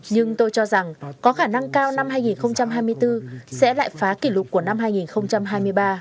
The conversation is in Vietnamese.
nhưng tôi cho rằng có khả năng cao năm hai nghìn hai mươi bốn sẽ lại phá kỷ lục của năm hai nghìn hai mươi ba